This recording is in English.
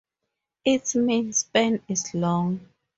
Its main span is long.